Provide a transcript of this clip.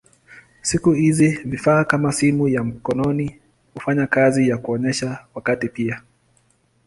Siku hizi vifaa kama simu ya mkononi hufanya kazi ya kuonyesha wakati pia.